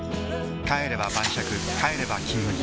帰れば晩酌帰れば「金麦」